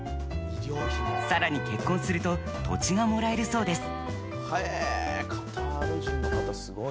更に、結婚すると土地がもらえるそうです。